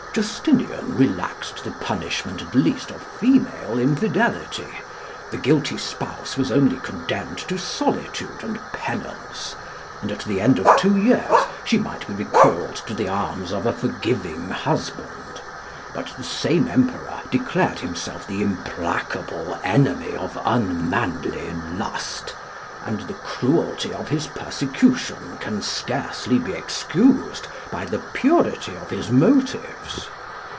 "Justinian relaxed the punishment at least of female infidelity: the guilty spouse was only condemned to solitude and penance, and at the end of two years she might be recalled to the arms of a forgiving husband. But the same Emperor declared himself the implacable enemy of unmanly lust, and the cruelty of his persecution can scarcely be excused by the purity of his motives.